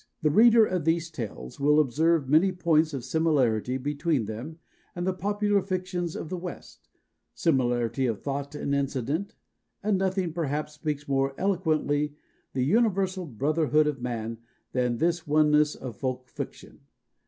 The reader of these tales will observe many points of similarity between them and the popular fictions of the West similarity of thought and incident and nothing, perhaps, speaks more eloquently the universal brotherhood of man than this oneness of folk fiction.